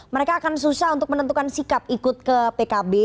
mereka akan susah untuk menentukan sikap ikut ke pkb